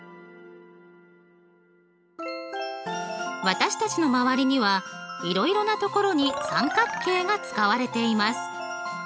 私たちの周りにはいろいろなところに三角形が使われています。